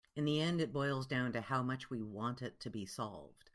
In the end it boils down to how much we want it to be solved.